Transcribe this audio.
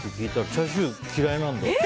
チャーシュー嫌いなんだって。